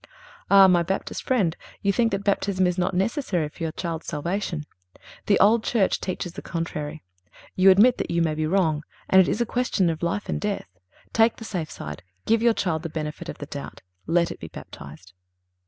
Ah! my Baptist friend, you think that Baptism is not necessary for your child's salvation. The old Church teaches the contrary. You admit that you may be wrong, and it is a question of life and death. Take the safe side. Give your child the benefit of the doubt. Let it be baptized.